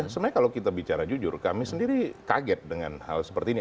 sebenarnya kalau kita bicara jujur kami sendiri kaget dengan hal seperti ini